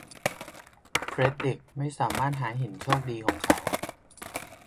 เฟรดดริคไม่สามารถหาหินโชคดีของเขา